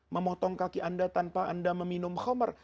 memotong kaki anda tanpa anda meminum khomer